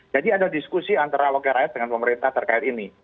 jadi ada diskusi antara rakyat rakyat dengan pemerintah terkait ini